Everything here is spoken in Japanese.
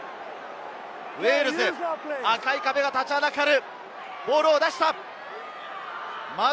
ウェールズの赤い壁が立ちはだかる！